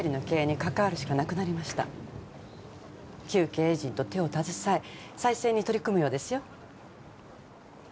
旧経営陣と手を携え再生に取り組むようですよ